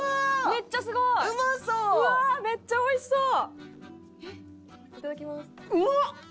めっちゃおいしそう！